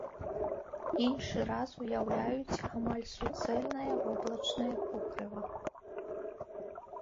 Іншы раз уяўляюць амаль суцэльнае воблачнае покрыва.